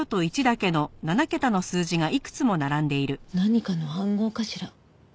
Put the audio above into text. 何かの暗号かしら？